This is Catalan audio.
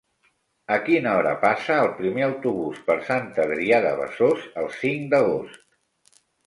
A quina hora passa el primer autobús per Sant Adrià de Besòs el cinc d'agost?